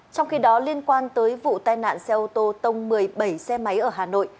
trong khi đó liên quan tới vụ tai nạn xe ô tô tông một mươi bảy xe máy ở hà nội